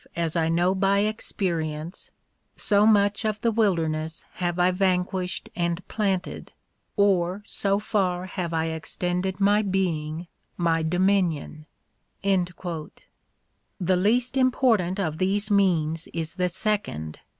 EMERSON'S WRITINGS 159 I know by experience, so much of the wilderness have I vanquished and planted, or so far have I extended my being, my dominion." The least important of these means is the second.